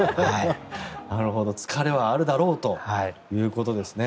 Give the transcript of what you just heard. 疲れはあるだろうということですね。